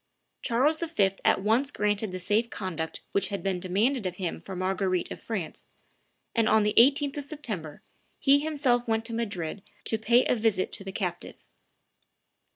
Charles V. at once granted the safe conduct which had been demanded of him for Marguerite of France, and on the 18th of September he himself went to Madrid to pay a visit to the captive.